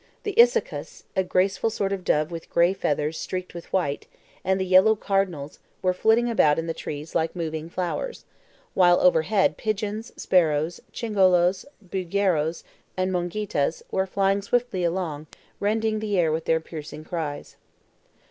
The isacus, a graceful sort of dove with gray feathers streaked with white, and the yellow cardinals, were flitting about in the trees like moving flowers; while overhead pigeons, sparrows, chingolos, bulgueros, and mongitas, were flying swiftly along, rending the air with their piercing cries.